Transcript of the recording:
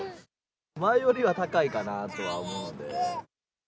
前よりは高いかなとは思うんで。